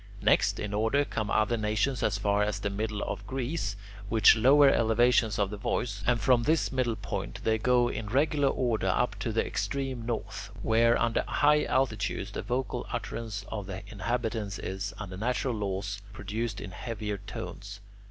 Next in order come other nations as far as the middle of Greece, with lower elevations of the voice; and from this middle point they go on in regular order up to the extreme north, where, under high altitudes, the vocal utterance of the inhabitants is, under natural laws, produced in heavier tones.